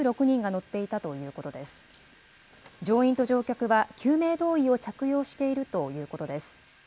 乗員と乗客は救命胴衣を着用しているということです。